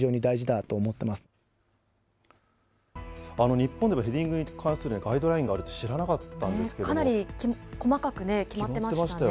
日本でもヘディングに関するガイドラインがあるって知らなかかなり細かく決まってました